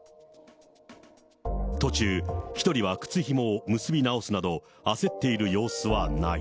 途中、１人は靴ひもを結び直すなど、焦っている様子はない。